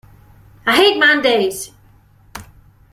I hate Mondays!